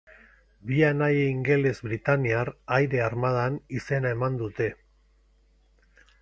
Bi anai ingeles Britainiar Aire Armadan izen eman dute.